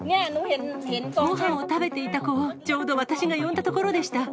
ごはんを食べていた子を、ちょうど私が呼んだところでした。